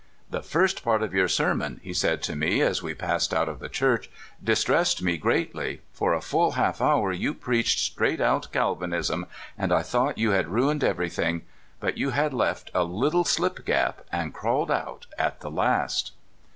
"'' The first part of your sermon," he said to me as we passed out of the church, *' distressed me greatly. For a full half hour you preached straight out Calvinism, and I thought you had ruined everything; but you had left a little slip gap, and crawled out at the last."